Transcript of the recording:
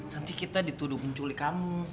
nanti kita dituduh penculik kamu